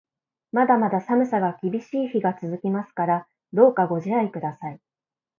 まだまだ寒さが厳しい日が続きますから、どうかご自愛ください。